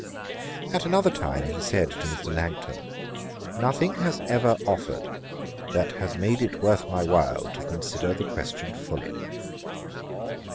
At another time he said to Mr. Langton, 'Nothing has ever offered, that has made it worth my while to consider the question fully.'